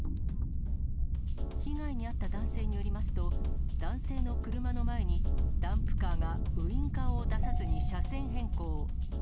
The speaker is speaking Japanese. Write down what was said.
被害に遭った男性によりますと、男性の車の前に、ダンプカーがウインカーを出さずに車線変更。